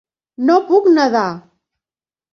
No puc nedar.